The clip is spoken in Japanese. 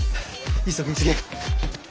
急げ急げ。